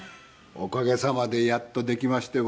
おかげさまでやっとできましてございます。